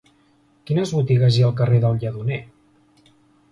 Quines botigues hi ha al carrer del Lledoner?